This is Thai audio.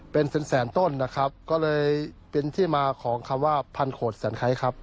เป็นแสนแสนต้นนะครับก็เลยเป็นที่มาของคำว่าพันโขดแสนไคร้ครับ